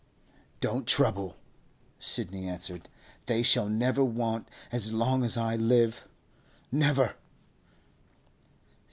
'Don't trouble,' Sidney answered. 'They shall never want as long as I live—never!